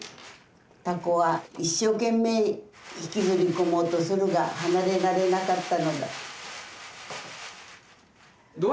たこは一所懸命引きずり込もうとするが離れられなかったのだ。